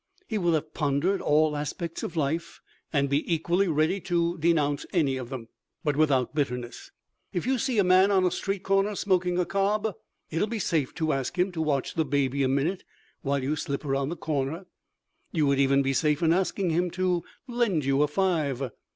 He will have pondered all aspects of life and be equally ready to denounce any of them, but without bitterness. If you see a man on a street corner smoking a cob it will be safe to ask him to watch the baby a minute while you slip around the corner. You would even be safe in asking him to lend you a five.